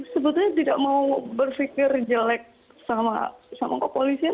sebetulnya tidak mau berfikir jelek sama kak polisnya